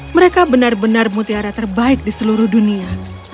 mereka benar benar mutiara terbaik di seluruh dunia